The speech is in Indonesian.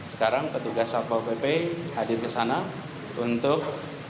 sekarang petugas satpol pp hadir ke sana untuk